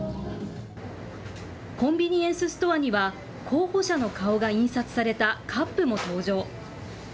コンビニエンスストアには、候補者の顔が印刷されたカップも登場。